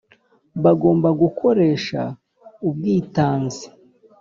bagomba gukoresha ubwitanzi